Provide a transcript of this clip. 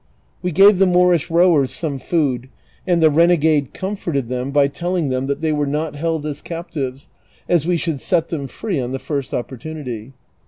We gave the Moorish rowers some food, and the renegade comforted them by telling them that they were not held as captives, as fve should set them free on the first opportunity.